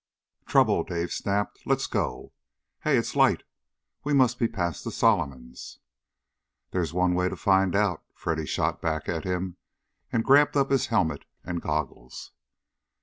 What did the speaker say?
"Trouble!" Dave snapped. "Let's go. Hey! It's light! We must be past the Solomons!" "There's one way to find out!" Freddy shot back at him, and grabbed up his helmet and goggles.